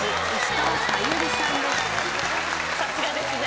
さすがですね。